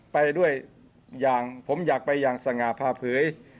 ไปด้วยอย่างผมอยากไปอย่างสง่าพาเผย